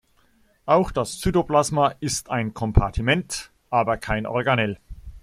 Auch das Cytoplasma ist ein Kompartiment, aber kein Organell.